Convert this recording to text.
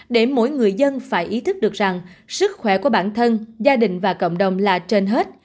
để mỗi người dân phải ý thức được rằng sức khỏe của bản thân gia đình và cộng đồng là trên hết